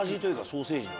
ソーセージの。